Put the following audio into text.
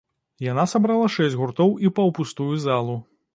Яна сабрала шэсць гуртоў і паўпустую залу.